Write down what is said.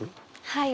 はい。